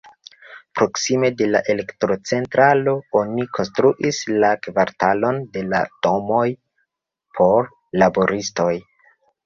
Proksime de la elektrocentralo oni konstruis la kvartalon de la domoj por laboristoj.